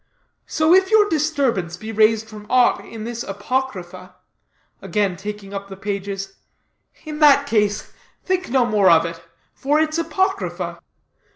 So if your disturbance be raised from aught in this apocrypha," again taking up the pages, "in that case, think no more of it, for it's apocrypha."